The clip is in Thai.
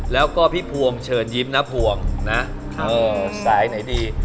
แล้วก็พี่พวงเชิญยิ้มน้าพวงนะสายไหนดี